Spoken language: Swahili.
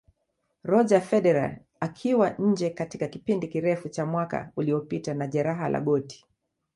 Roger Federer akiwa nje katika kipindi kirefu cha mwaka uliopita na Jeraha la goti